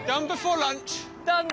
ランチだ！